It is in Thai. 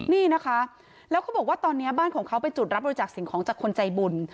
นี่นะคะแล้วเขาบอกว่าตอนนี้บ้านของเขาเป็นจุดรับบริจาคสิ่งของจากคนใจบุญ